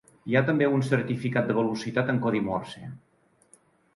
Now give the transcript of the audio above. Hi ha també un certificat de velocitat en Codi Morse.